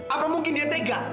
apa mungkin dia tega